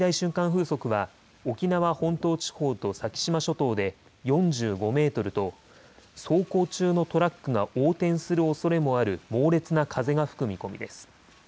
風速は沖縄本島地方と先島諸島で４５メートルと走行中のトラックが横転するおそれもある猛烈な風が吹く見込みです。